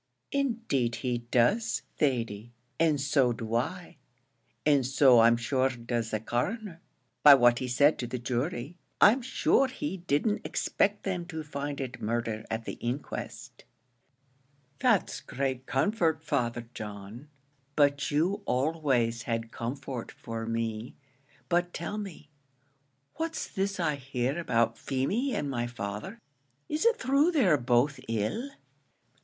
"Indeed he does, Thady, and so do I; and so I'm sure does the Coroner, by what he said to the jury. I'm sure he didn't expect them to find it murder at the inquest." "That's great comfort, Father John; but you always had comfort for me. But tell me, what's this I hear about Feemy and my father; is it thrue they're both ill?"